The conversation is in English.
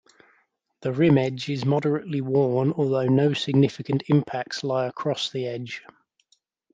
The rim edge is moderately worn, although no significant impacts lie across the edge.